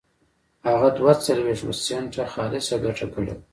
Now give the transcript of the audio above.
هغه دوه څلوېښت سنټه خالصه ګټه کړې وه.